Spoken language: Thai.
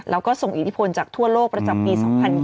แล้วก็ส่งอิทธิพลจากทั่วโลกประจำปี๒๐๒๐